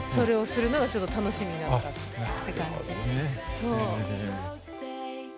そう。